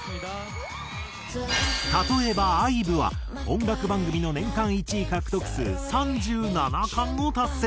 例えばＩＶＥは音楽番組の年間１位獲得数３７冠を達成。